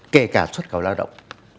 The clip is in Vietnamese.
kể cả xuất khẩu lao động